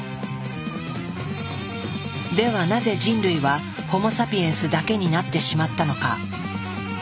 ではなぜ人類はホモ・サピエンスだけになってしまったのか？